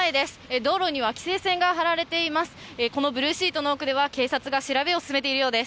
道路には規制線が張られています。